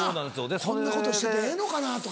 こんなことしててええのかなとか。